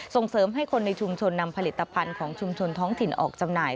ส่งเสริมให้คนในชุมชนนำผลิตภัณฑ์ของชุมชนท้องถิ่นออกจำหน่าย